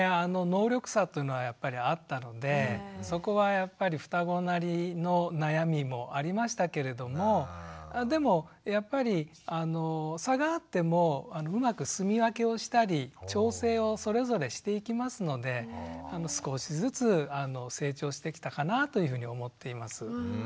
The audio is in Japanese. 能力差というのはやっぱりあったのでそこはやっぱりふたごなりの悩みもありましたけれどもでもやっぱり差があってもうまくすみ分けをしたり調整をそれぞれしていきますので少しずつ成長してきたかなというふうに思っています。